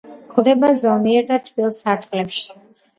გვხვდება ზომიერ და თბილ სარტყელში.